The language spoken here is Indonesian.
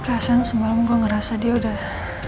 perasaan sebelum gue ngerasa dia udah